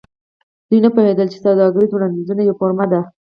دوی نه پوهیدل چې سوداګریز وړاندیز یوه فورمه ده